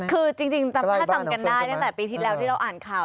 คือจริงถ้าจำกันได้ตั้งแต่ปีที่แล้วที่เราอ่านข่าว